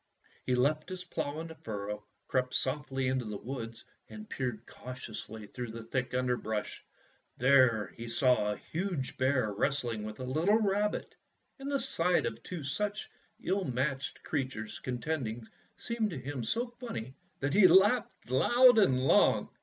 He left his plough in the furrow, crept softly into the woods, and peered cau tiously through the thick underbrush. There he saw a huge bear wrestling with a little rabbit, and the sight of two such ill matched creatures contending seemed to him so funny that he laughed loud and long.